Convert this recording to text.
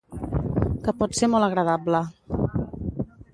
Que pot ser molt agradable.